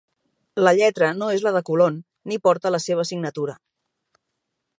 La lletra no és la de Colón ni porta la seva signatura.